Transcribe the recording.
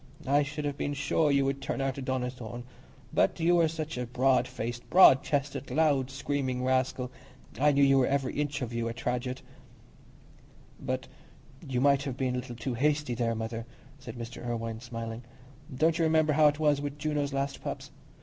I should have been sure you would turn out a Donnithorne. But you were such a broad faced, broad chested, loud screaming rascal, I knew you were every inch of you a Tradgett." "But you might have been a little too hasty there, Mother," said Mr. Irwine, smiling. "Don't you remember how it was with Juno's last pups?